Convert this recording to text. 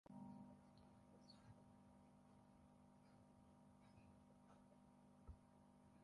aziri hao wako katika bunge hili kwa muhula wa mwisho